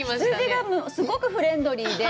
羊がすごくフレンドリーで。